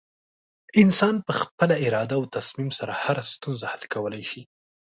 انسان په خپله اراده او تصمیم سره هره ستونزه حل کولی شي.